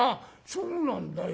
「そうなんだよ。